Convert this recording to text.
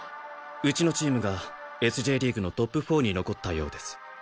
うちのチームがＳ／Ｊリーグのトップ４に残ったようです。